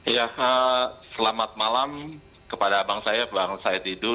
ya selamat malam kepada abang saya bang saya tidur